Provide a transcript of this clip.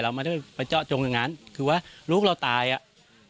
ไม่ได้ไปเจาะจงอย่างนั้นคือว่าลูกเราตายอ่ะ